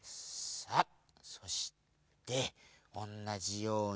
さあそしておんなじように。